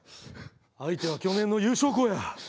相手は去年の優勝校や。